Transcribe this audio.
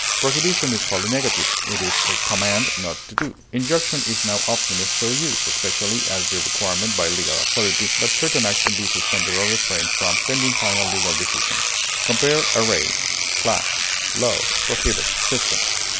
Prohibition is wholly negative; it is a command not to do; injunction is now oftenest so used, especially as the requirement by legal authority that certain action be suspended or refrained from, pending final legal decision. Compare ARRAY; CLASS; LAW; PROHIBIT; SYSTEM.